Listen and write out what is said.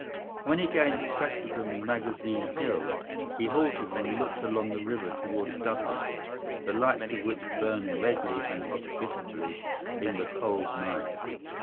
When he gained the crest of the Magazine Hill he halted and looked along the river towards Dublin, the lights of which burned redly and hospitably in the cold night.